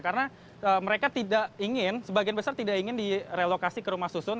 karena mereka tidak ingin sebagian besar tidak ingin direlokasi ke rumah susun